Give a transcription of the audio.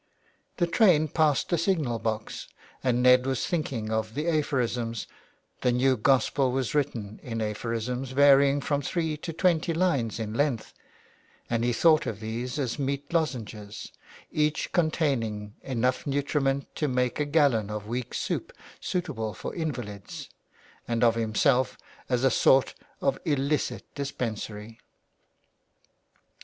The train passed the signal box, and Ned was thinking of the aphorisms — the new Gospel was written in aphorisms varying from three to twenty lines in length — and he thought of these as meat lozenges each containing enough nutriment to make a gallon of weak soup suitable for invalids, and of him self as a sort of illicit dispensary.